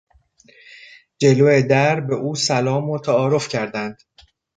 جلو در به او سلام و تعارف کردند.